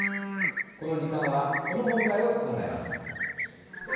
この時間は、この問題を考えます。